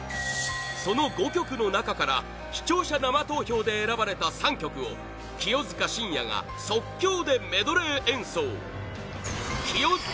その５曲の中から視聴者生投票で選ばれた３曲を清塚信也が即興メドレー演奏清塚